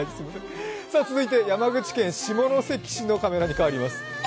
続いて、山口県下関市のカメラに変わります。